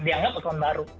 dianggap akun baru